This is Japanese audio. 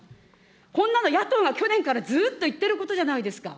こんなの野党が去年からずっと言ってることじゃないですか。